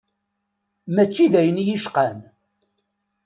Mačči d ayen i y-icqan.